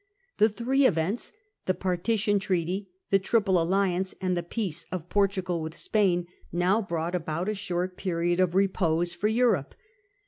The three events — the Partition Treaty, the Triple Alliance, and the peace of Portugal with Spain— now brought about a short period of repose for Europe.